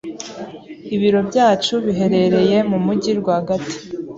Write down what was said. Ibiro byacu biherereye mu mujyi rwagati.